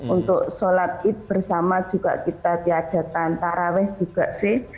untuk sholat id bersama juga kita tiadakan taraweh juga sih